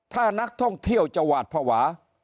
ถ้านักท่องเที่ยวจะหวาดภาวะ